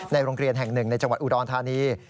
ในโรงเรียนแห่ง๑ในจังหวัดอุดรทานี